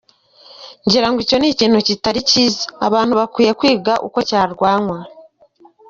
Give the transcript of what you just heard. Ngirango icyo ni ikintu kitari cyiza abantu bakwiye kwiga uko cyarwanywa.